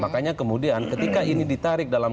makanya kemudian ketika ini ditarik dalam